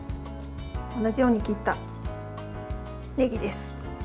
同じように切ったねぎです。